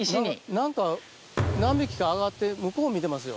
何か何匹か上がって向こう見てますよ。